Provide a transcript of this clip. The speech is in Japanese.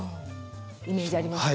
イメージありますか？